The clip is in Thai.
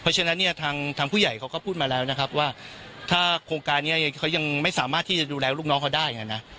เพราะฉะนั้นเนี่ยทางผู้ใหญ่เขาก็พูดมาแล้วนะครับว่าถ้าโครงการนี้เขายังไม่สามารถที่จะดูแลลูกน้องเขาได้นะ